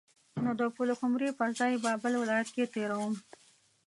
نو د پلخمري پر ځای به بل ولایت کې تیروم.